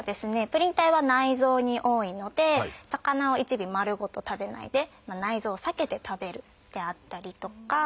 プリン体は内臓に多いので魚を一尾丸ごと食べないで内臓を避けて食べるであったりとか。